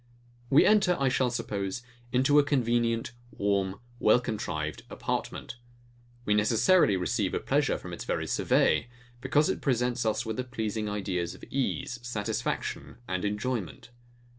We enter, I shall suppose, into a convenient, warm, well contrived apartment: We necessarily receive a pleasure from its very survey; because it presents us with the pleasing ideas of ease, satisfaction, and enjoyment.